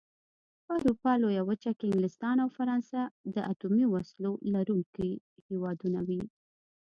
په اروپا لويه وچه کې انګلستان او فرانسه د اتومي وسلو لرونکي هېوادونه دي.